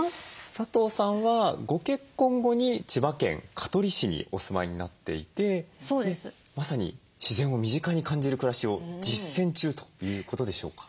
佐藤さんはご結婚後に千葉県香取市にお住まいになっていてまさに自然を身近に感じる暮らしを実践中ということでしょうか？